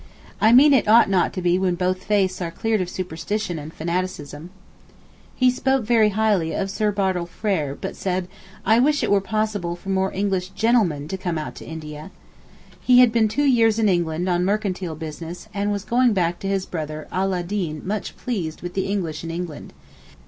I mean it ought not to be when both faiths are cleared of superstition and fanaticism.' He spoke very highly of Sir Bartle Frere but said 'I wish it were possible for more English gentlemen to come out to India.' He had been two years in England on mercantile business and was going back to his brother Ala ed deen much pleased with the English in England.